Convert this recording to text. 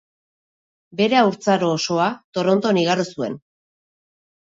Bere haurtzaro osoa Toronton igaro zuen.